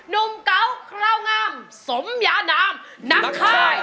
นุ่มเกาท์เขลางามสมยานามนักไทย